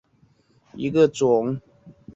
华丽章鱼为章鱼科丽蛸属下的一个种。